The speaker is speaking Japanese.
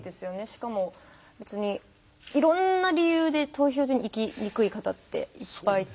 しかも、いろんな理由で投票所に行きにくい方っていっぱいいいて。